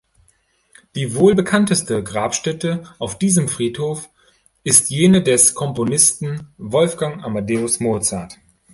Die wohl bekannteste Grabstätte auf diesem Friedhof ist jene des Komponisten Wolfgang Amadeus Mozart.